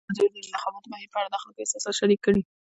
ازادي راډیو د د انتخاباتو بهیر په اړه د خلکو احساسات شریک کړي.